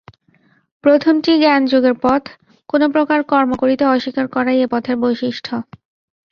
প্রথমটি জ্ঞানযোগের পথ, কোন প্রকার কর্ম করিতে অস্বীকার করাই এ পথের বৈশিষ্ট্য।